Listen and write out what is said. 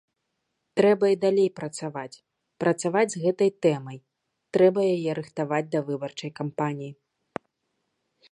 Трэба і далей працаваць, працаваць з гэтай тэмай, трэба яе рыхтаваць да выбарчай кампаніі.